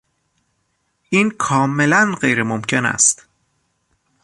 این کاملا غیر ممکن است.